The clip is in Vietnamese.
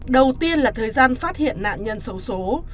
đầu tiên là thời gian phát hiện nạn nhân xấu xố